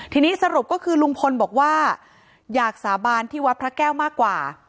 ทีนี้สรุปก็คือลุงพลบอกว่าอยากสาบานที่วัดพระแก้วมากกว่า